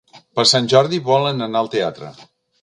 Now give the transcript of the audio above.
Per Sant Jordi volen anar al teatre.